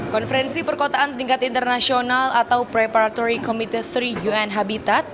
konferensi perkotaan tingkat internasional atau preparatory committee tiga un habitat